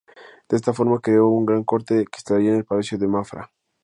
De esta forma, creó una gran corte que instalaría en el Palacio de Mafra.